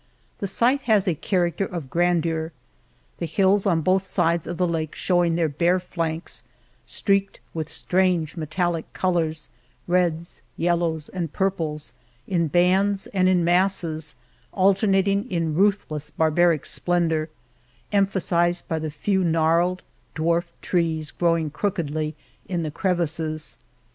The site has a character of grandeur ; the hills on both sides of the lake showing their bare flanks, streaked with strange metallic colors, reds, yellows, and purples, in bands and in masses, alternating in ruthless barbaric splendor, emphasized by the few gnarled, dwarfed trees growing crookedly in the crevices.